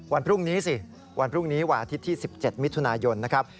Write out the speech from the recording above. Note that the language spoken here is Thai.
วันพรุ่งนี้สิวันพรุ่งนี้วันอาทิตย์ที่๑๗มิถุนายนนะครับ